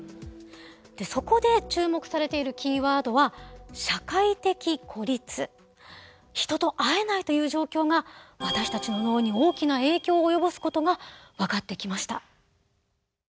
そこで注目されているキーワードは人と会えないという状況が私たちの脳に大きな影響を及ぼすことが分かってきました。